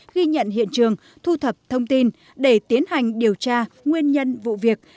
ghi nhận hiện trường thu thập thông tin để tiến hành điều tra nguyên nhân vụ việc